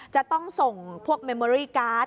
จะต้องส่งพวกเมโมริการ์ด